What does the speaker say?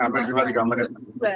gampang juga tiga menit